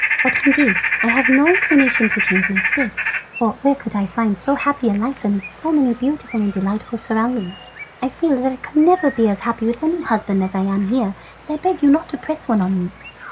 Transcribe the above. But, indeed, I have no inclination to change my state, for where could I find so happy a life amidst so many beautiful and delightful surroundings? I feel that I could never be as happy with any husband as I am here, and I beg you not to press one on me."